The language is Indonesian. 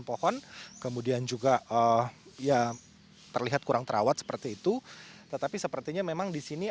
pohon kemudian juga ya terlihat kurang terawat seperti itu tetapi sepertinya memang di sini